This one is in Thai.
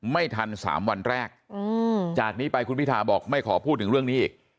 ไม่ทัน๓วันแรกจากนี้ไปคุณพิทาบอกไม่ขอพูดถึงเรื่องนี้อีก